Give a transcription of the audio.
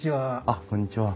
あっこんにちは。